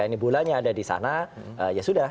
ini bulannya ada di sana ya sudah